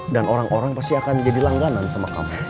dan orang orang pasti akan jadi langganan sama kamu